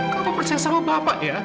kamu percaya sama bapak ya